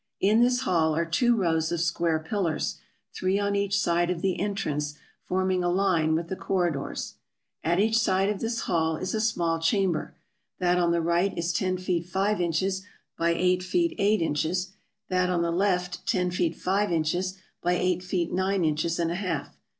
In this hall are two rows of square pillars, three on each side of the entrance, forming a line with the corridors. At each side of this hall is a small chamber: that on the right is ten feet five inches by eight feet eight inches; that on the left ten feet five inches by eight feet nine inches and a half.